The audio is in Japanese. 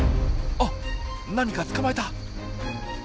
あっ何か捕まえた！